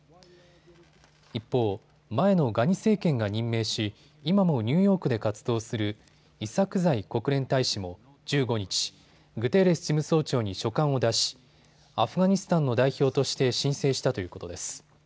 一方、前のガニ政権が任命し、今もニューヨークで活動するイサクザイ国連大使も１５日、グテーレス事務総長に書簡を出しアフガニスタンの代表として申請したということです。